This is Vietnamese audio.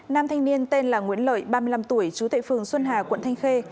nam thanh niên tên là nguyễn lợi ba mươi năm tuổi chú tệ phường xuân hà quận thanh khê